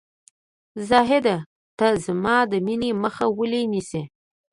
زاهده ! ته زما د مینې مخه ولې نیسې ؟